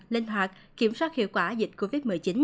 linh hoạt kiểm soát hiệu quả dịch covid một mươi chín